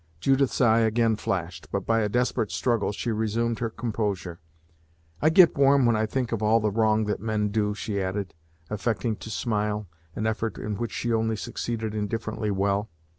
Judith's eye again flashed, but by a desperate struggle she resumed her composure. "I get warm when I think of all the wrong that men do," she added, affecting to smile, an effort in which she only succeeded indifferently well.